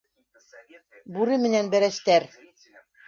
Бүре менән бәрәстәр.